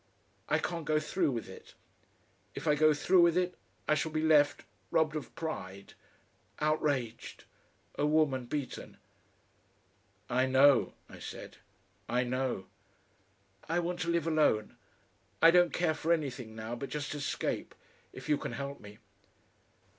I can't go through with it. If I go through with it, I shall be left robbed of pride outraged a woman beaten...." "I know," I said, "I know." "I want to live alone.... I don't care for anything now but just escape. If you can help me...."